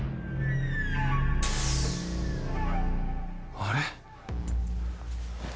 あれ？